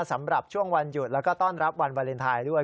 สำหรับช่วงวันหยุดแล้วก็ต้อนรับวันวาเลนไทยด้วย